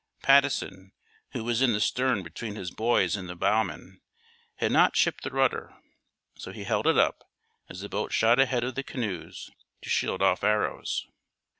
Patteson, who was in the stern between his boys and the bowmen, had not shipped the rudder, so he held it up, as the boat shot ahead of the canoes, to shield off arrows.